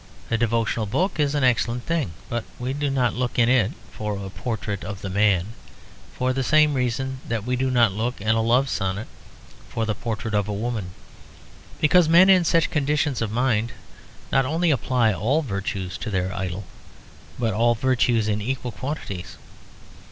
A devotional book is an excellent thing, but we do not look in it for the portrait of a man, for the same reason that we do not look in a love sonnet for the portrait of a woman, because men in such conditions of mind not only apply all virtues to their idol, but all virtues in equal quantities.